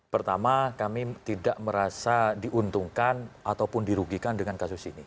pertama kami tidak merasa diuntungkan ataupun dirugikan dengan kasus ini